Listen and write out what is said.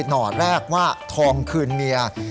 ห่อแรกว่าทองคืนเมีย